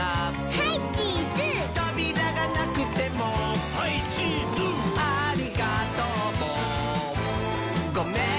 「ハイチーズ」「とびらがなくても」「ハイチーズ」「ありがとうもごめんねも」